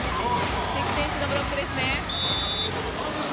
関選手のブロックですね。